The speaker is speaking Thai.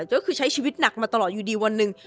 ก็คือใช้ชีวิตหนักมาตลอดอยู่ดีวันหนึ่ง